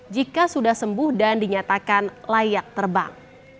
jika sudah sembuh dan dinyatakan layak terbang